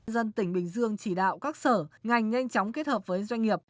dân tỉnh bình dương chỉ đạo các sở ngành nhanh chóng kết hợp với doanh nghiệp